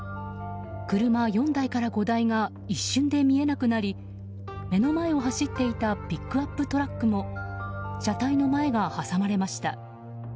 車４台から５台が一瞬で見えなくなり目の前を走っていたピックアップトラックも車体の前が挟まれました。